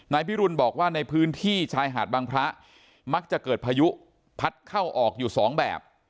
นายพิรุณบอกว่าในพื้นที่ชายหาดบางพระมักจะเกิดพายุพัดเข้าออกอยู่สองแบบ